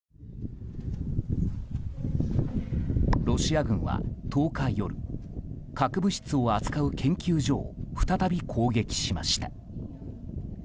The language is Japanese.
ロシア軍は１０日夜核物質を扱う研究所を再び攻撃しました。